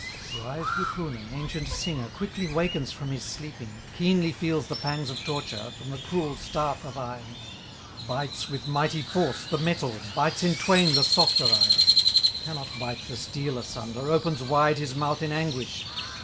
Wise Wipunen, ancient singer, Quickly wakens from his sleeping, Keenly feels the pangs of torture, From the cruel staff of iron; Bites with mighty force the metal, Bites in twain the softer iron, Cannot bite the steel asunder, Opens wide his mouth in anguish.